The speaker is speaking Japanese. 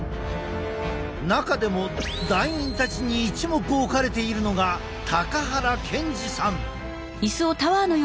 中でも団員たちに一目置かれているのが高原さんは何されるの？